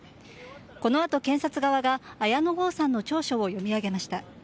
このあと、検察側が綾野剛さんの調書を読み上げました。